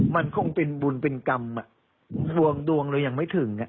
มันคงเป็นบุญเป็นกรรมรวมดวงเรายังไม่ถึง